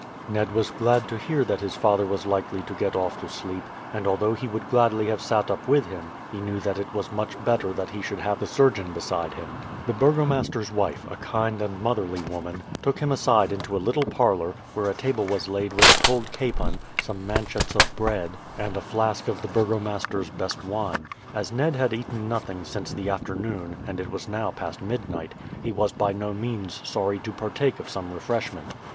Ned was glad to hear that his father was likely to get off to sleep; and although he would gladly have sat up with him, he knew that it was much better that he should have the surgeon beside him. The burgomaster's wife, a kind and motherly woman, took him aside into a little parlour, where a table was laid with a cold capon, some manchets of bread, and a flask of the burgomaster's best wine. As Ned had eaten nothing since the afternoon, and it was now past midnight, he was by no means sorry to partake of some refreshment.